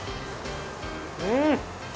うん！